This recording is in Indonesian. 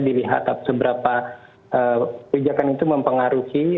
dilihat seberapa kebijakan itu mempengaruhi